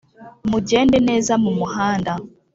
Mugende neza mu muhanda